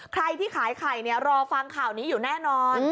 ใครที่ขายไข่รอฟังข่าวนี้อยู่แน่นอน